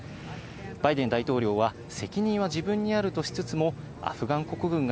バイデン大統領は、責任は自分にあるとしつつも、アフガン国軍が